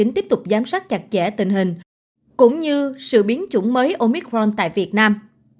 tiếp tục giám sát chặt chẽ tình hình cũng như sự biến chủng mới omicron tại việt nam